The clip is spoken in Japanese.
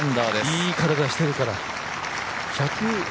いい体してるから。